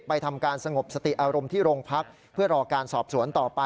ทำการสงบสติอารมณ์ที่โรงพักเพื่อรอการสอบสวนต่อไป